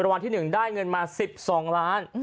วันที่๑ได้เงินมา๑๒ล้าน